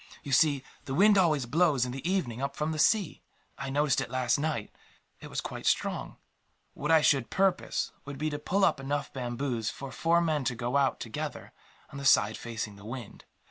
You see, the wind always blows, in the evening, up from the sea. I noticed it last night. It was quite strong. What I should propose would be to pull up enough bamboos for four men to go out, together, on the side facing the wind.